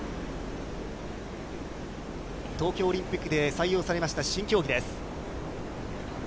東京オリンピックで採用されました新競技です。